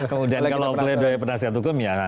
kemudian kalau play dohnya penasihat hukum ya